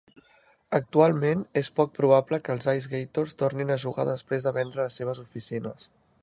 Actualment és poc probable que els IceGators tornin a jugar després de vendre les seves oficines.